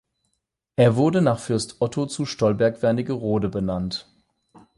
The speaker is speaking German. Er wurde nach Fürst Otto zu Stolberg-Wernigerode benannt.